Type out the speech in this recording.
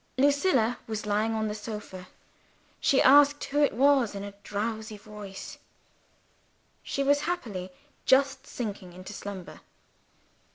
Lucilla was lying on the sofa. She asked who it was in a drowsy voice she was happily just sinking into slumber.